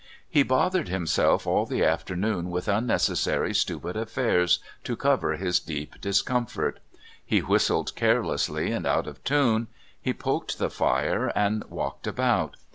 He bothered himself all the afternoon with unnecessary stupid affairs to cover his deep discomfort. He whistled carelessly and out of tune, he poked the fire and walked about.